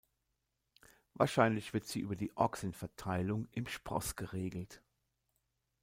Wahrscheinlich wird sie über die Auxin-Verteilung im Spross geregelt.